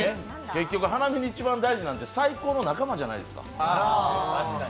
結局、花見に一番大事なのは最高の仲間じゃないですか。